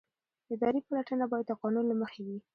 اداري پلټنه باید د قانون له مخې وي.